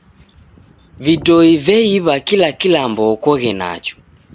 Vidoi veiw'a kila kilambo okoghe nacho.